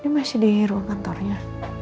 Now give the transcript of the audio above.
dia masih dihiru kantornya